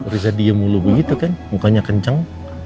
riza diem mulu begitu kan mukanya kenceng